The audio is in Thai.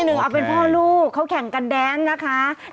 หนึ่งเอาเป็นพ่อลูกเขาแข่งกันแดนนะคะ